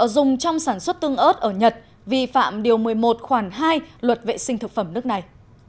dùng trong sản xuất tương ớt ở nhật vi phạm điều một mươi một khoản hai luật vệ sinh thực phẩm nước này